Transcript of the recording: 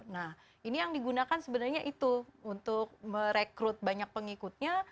nah ini yang digunakan sebenarnya itu untuk merekrut banyak pengikutnya